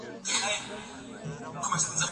لارښود باید د یوه مشر په څېر مشوره ورکړي.